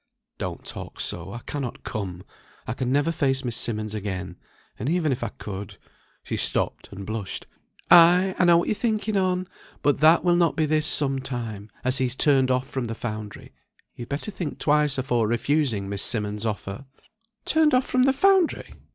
"Don't talk so; I cannot come, I can never face Miss Simmonds again. And even if I could " she stopped, and blushed. "Ay! I know what you're thinking on. But that will not be this some time, as he's turned off from the foundry, you'd better think twice afore refusing Miss Simmonds' offer." "Turned off from the foundry!